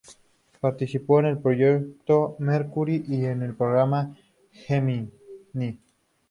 Participó en el proyecto Mercury y en el programa Gemini.